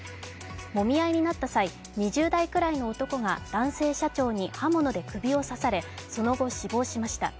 もみ合いになった際、２０代くらいの男が男性社長に刃物で首を刺され、その後死亡しました。